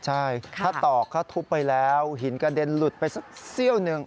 ใช่ถ้าตอกก็ทุบไปแล้วหินกระเด็นหลุดไปสิ้วหนึ่ง